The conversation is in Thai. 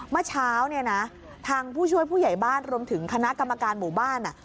เมื่อเช้าเนี่ยนะทางผู้ช่วยผู้ใหญ่บ้านรวมถึงคณะกรรมการหมู่บ้าน